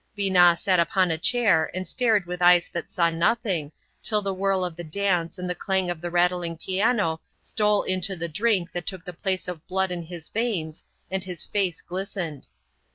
Binat sat upon a chair and stared with eyes that saw nothing, till the whirl of the dance and the clang of the rattling piano stole into the drink that took the place of blood in his veins, and his face glistened.